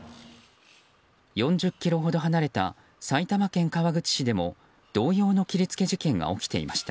４０ｋｍほど離れた埼玉県川口市でも同様の切り付け事件が起きていました。